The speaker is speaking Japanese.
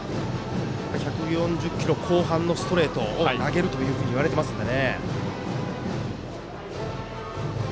１４０キロ後半のストレートを投げるというふうにいわれていますので。